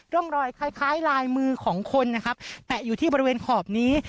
ร่องรอยคล้ายคล้ายลายมือของคนนะครับแตะอยู่ที่บริเวณขอบนี้